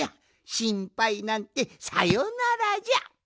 しんぱいなんてさよならじゃ！